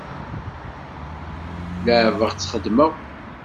Leɛbeɣ-tt xeddmeɣ.